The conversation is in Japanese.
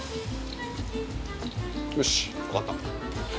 よし分かった。